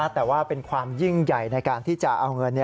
แต่ว่าเป็นความยิ่งใหญ่ในการที่จะเอาเงิน